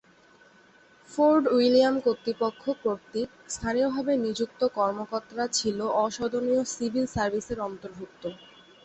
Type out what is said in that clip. Fort William কর্তৃপক্ষ কর্তৃক স্থানীয়ভাবে নিযুক্ত কর্মকর্তারা ছিল অ-সনদী সিভিল সার্ভিসের অন্তর্ভুক্ত।